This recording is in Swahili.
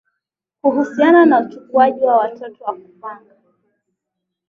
kuhusiana na uchukuaji wa watoto wa kupanga